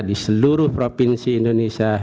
di seluruh provinsi indonesia